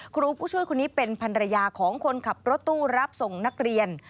ครูผู้ช่วยคนนี้เป็นภรรยาของคนขับรถตู้รับส่งนักเรียน